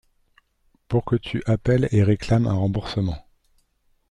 Pour que tu appelles et réclames un remboursement.